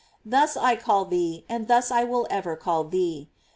Thus I call thee, and thus I •will ever call thee.